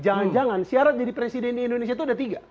jangan jangan syarat jadi presiden di indonesia itu ada tiga